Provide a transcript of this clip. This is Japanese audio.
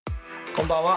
こんばんは。